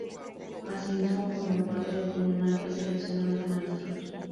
Asimismo, formó parte del tribunal que seleccionó los maestros.